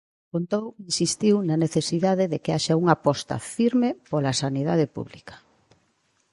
Pontón insistiu na necesidade de que haxa unha aposta firme pola Sanidade Pública.